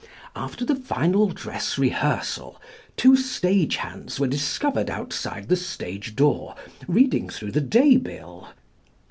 After the final dress rehearsal two stage hands were discovered outside the stage door reading through the day bill.